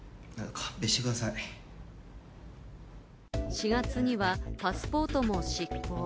４月にはパスポートも失効。